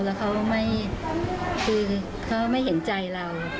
แล้วเขาไม่เห็นใจเรา